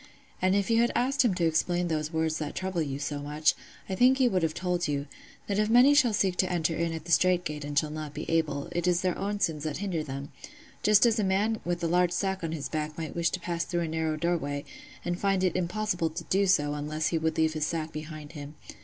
And if you had asked him to explain those words that trouble you so much, I think he would have told you, that if many shall seek to enter in at the strait gate and shall not be able, it is their own sins that hinder them; just as a man with a large sack on his back might wish to pass through a narrow doorway, and find it impossible to do so unless he would leave his sack behind him.